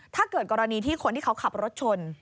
ถ้าเกิดกรณีที่คนที่เขาขับรถชน